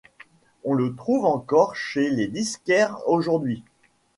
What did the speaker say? On le trouve encore chez les disquaires aujourd'hui.